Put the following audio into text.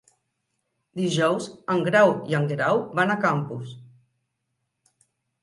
Dijous en Grau i en Guerau van a Campos.